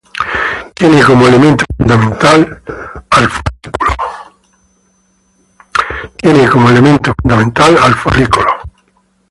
Tiene como elemento fundamental al folículo.